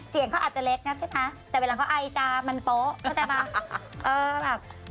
เสียงเขาอาจจะเล็กนะใช่ไหมแต่เวลาเขาไอจามันโป๊ะเข้าใจป่ะ